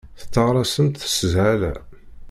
Tetteɣraṣemt s shala.